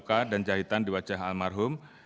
luka dan jahitan di wajah almarhum